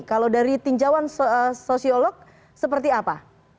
kalau dari tinjauan sosiolog seperti apa